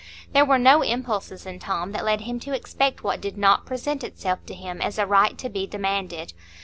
There were no impulses in Tom that led him to expect what did not present itself to him as a right to be demanded.